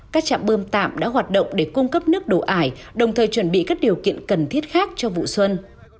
các trạm bơm tạm đã hoạt động để cung cấp nước đồ ải đồng thời chuẩn bị các điều kiện cần thiết khác cho vụ xuân